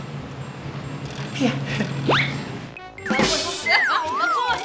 gak usah ya